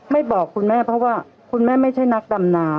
บอกคุณแม่เพราะว่าคุณแม่ไม่ใช่นักดำนา